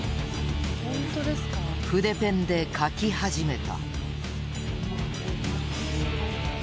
筆ペンで書き始めた。